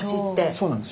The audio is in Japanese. そうなんですよ。